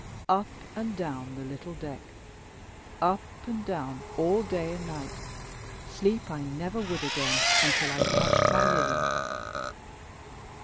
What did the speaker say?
Up and down the little deck, up and down all day and night; sleep I never would again, until I touched my Lily.